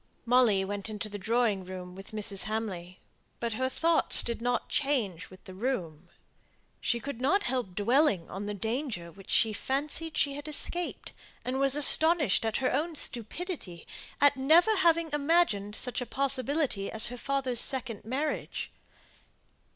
Molly went into the drawing room with Mrs. Hamley, but her thoughts did not change with the room. She could not help dwelling on the danger which she fancied she had escaped, and was astonished at her own stupidity at never having imagined such a possibility as her father's second marriage.